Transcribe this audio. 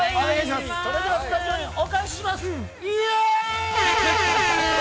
◆それではスタジオにお返しします。